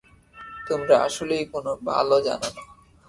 তোমরা আসলেই কোন বালও জানোনা।